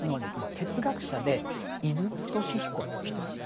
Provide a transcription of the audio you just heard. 哲学者で井筒俊彦という人なんですね。